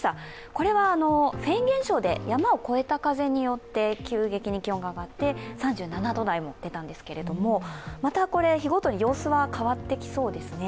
これはフェーン現象で山を越えた風によって急激に気温が上がって、３７度台も出たんですけれども、またこれ、日ごとに様子は変わってきそうですね。